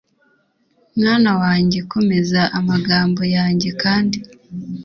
Mwana wanjye komeza amagambo yanjye Kandi